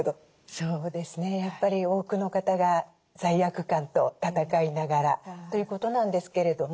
そうですねやっぱり多くの方が罪悪感と闘いながらということなんですけれども。